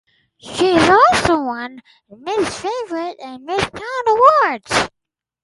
She is also won "Miss Favorite" and "Miss Talent awards".